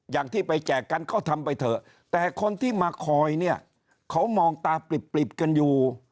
อย่างที่ไปแจกกันก็ทำไปเถอะแต่คนที่มาคอยเนี่ยเขามองตาปริบกันอยู่